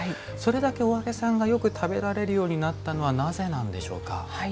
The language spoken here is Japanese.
それだけお揚げさんがよく食べられるようになったのはなぜなんでしょうか？